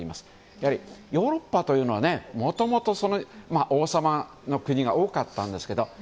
やはりヨーロッパというのはもともと王様の国が多かったんですけど。